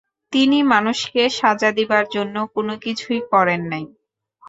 তিনি মানুষকে সাজা দিবার জন্য কোন কিছুই করেন নাই।